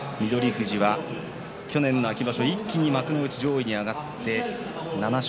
富士は去年の秋場所一気に幕内上位に上がって７勝。